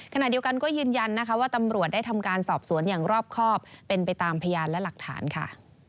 ขณะเดียวกันก็ยืนยันนะคะว่าตำรวจได้ทำการสอบสวนอย่างรอบครอบเป็นไปตามพยานและหลักฐานค่ะ